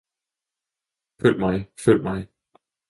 Følg mig, følg mig!